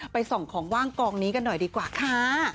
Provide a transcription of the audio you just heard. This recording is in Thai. ส่องของว่างกองนี้กันหน่อยดีกว่าค่ะ